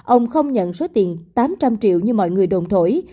ông không nhận số tiền tám trăm linh triệu như mọi người đồng thổi